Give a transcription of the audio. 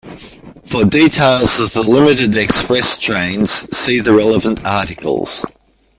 For details of the limited express trains, see the relevant articles.